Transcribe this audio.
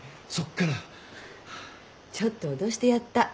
ちょっと脅してやった。